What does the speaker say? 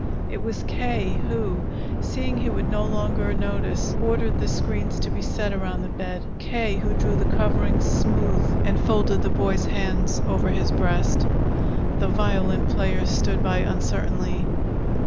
It was K. who, seeing he would no longer notice, ordered the screens to be set around the bed, K. who drew the coverings smooth and folded the boy's hands over his breast. The violin player stood by uncertainly.